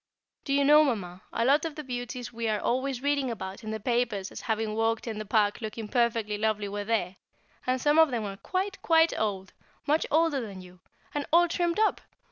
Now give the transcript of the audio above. Do you know, Mamma, a lot of the beauties we are always reading about in the papers as having walked in the Park looking perfectly lovely were there, and some of them are quite, quite old much older than you and all trimmed up!